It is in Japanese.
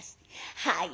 「はい。